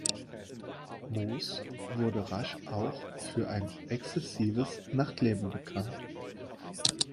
Moss wurde rasch auch für ein exzessives Nachtleben bekannt.